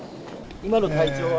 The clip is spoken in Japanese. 今の体調は？